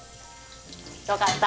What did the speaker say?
よかった。